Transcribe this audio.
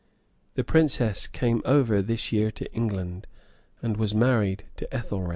The princess came over this year {1001.} to England, and was married to Ethelred.